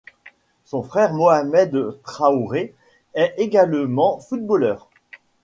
Son frère Mohamed Traoré est également footballeur.